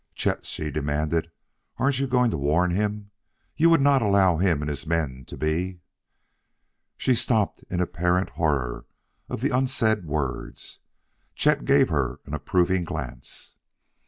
"Chet," she demanded, "aren't you going to warn him? You would not allow him and his men to be " She stopped in apparent horror of the unsaid words; Chet gave her an approving glance.